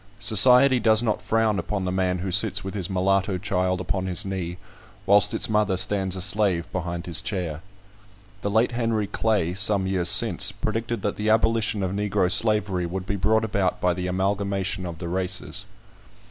Society does not frown upon the man who sits with his mulatto child upon his knee, whilst its mother stands a slave behind his chair. The late Henry Clay, some years since, predicted that the abolition of Negro slavery would be brought about by the amalgamation of the races.